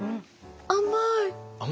甘い。